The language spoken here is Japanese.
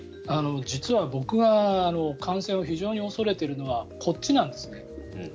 実は僕が感染を非常に恐れているのはこっちなんですね。